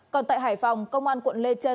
còn tại hải phòng công an quận lê trân